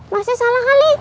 masih salah kali